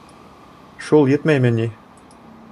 Шул етмәйме ни?